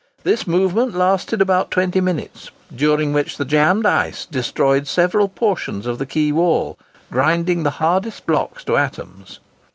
This movement lasted about twenty minutes, during which the jammed ice destroyed several portions of the quay wall, grinding the hardest blocks to atoms.